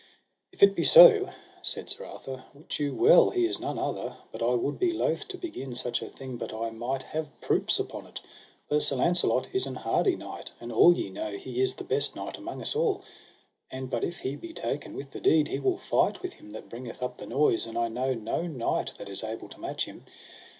If it be so, said Sir Arthur, wit you well he is none other, but I would be loath to begin such a thing but I might have proofs upon it; for Sir Launcelot is an hardy knight, and all ye know he is the best knight among us all; and but if he be taken with the deed, he will fight with him that bringeth up the noise, and I know no knight that is able to match him.